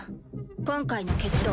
今回の決闘